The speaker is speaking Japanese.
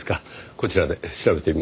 こちらで調べてみます。